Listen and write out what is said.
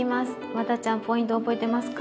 ワダちゃんポイント覚えてますか？